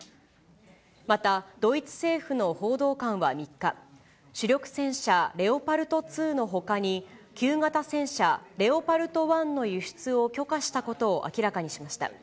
またドイツ政府の報道官は３日、主力戦車レオパルト２のほかに、旧型戦車レオパルト１の輸出を許可したことを明らかにしました。